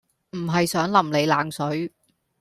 唔係想淋你冷水